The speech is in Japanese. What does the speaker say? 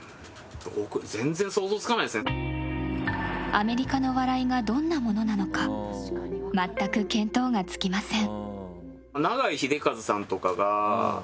アメリカの笑いがどんなものなのか全く見当がつきません。